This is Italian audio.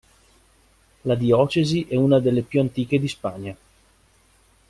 La diocesi è una delle più antiche di Spagna.